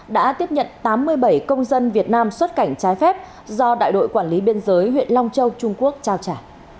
đã tiếp nhận tám mươi bảy công dân việt nam xuất cảnh trái phép do đại đội quản lý biên giới huyện long châu trung quốc trao trả